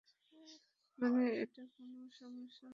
মানে, এটা কোনও সমস্যা না যদিও!